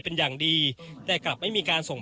เป็นอย่างดีแต่กลับไม่มีการส่ง